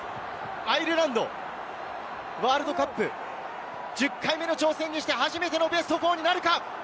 アイルランド、ワールドカップ１０回目の挑戦にして初めてのベスト４になるか？